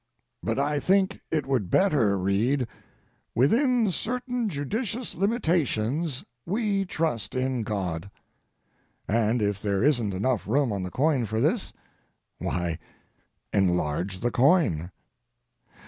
But I think it would better read, "Within certain judicious limitations we trust in God," and if there isn't enough room on the coin for this, why, enlarge the coin.